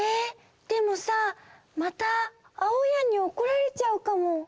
でもさまたあおやんにおこられちゃうかも。